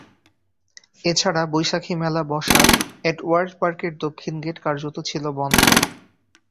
এ ছাড়া বৈশাখী মেলা বসা এডওয়ার্ড পার্কের দক্ষিণ গেট কার্যত ছিল বন্ধ।